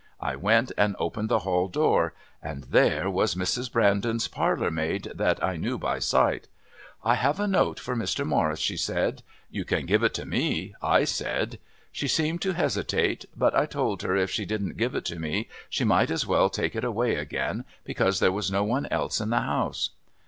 I went and opened the hall door and there was Mrs. Brandon's parlourmaid that I knew by sight. 'I have a note for Mr. Morris,' she said. 'You can give it to me,' I said. She seemed to hesitate, but I told her if she didn't give it to me she might as well take it away again, because there was no one else in the house.